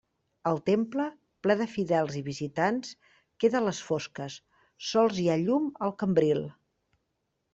El temple, ple de fidels i visitants, queda a les fosques, sols hi ha llum al cambril.